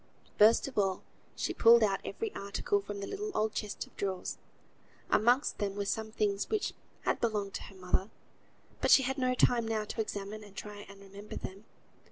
First of all she pulled out every article from the little old chest of drawers. Amongst them were some things which had belonged to her mother, but she had no time now to examine and try and remember them.